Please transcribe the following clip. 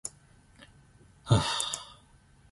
Bhala isiphetho esifanele futhi ubhale negama lakho.